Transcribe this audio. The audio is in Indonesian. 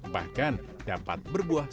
bahkan dapat berbuah lebat